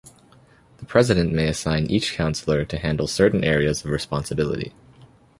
The president may assign each counselor to handle certain areas of responsibility.